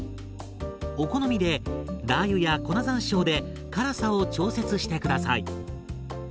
お好みでラー油や粉ざんしょうで辛さを調節して下さい。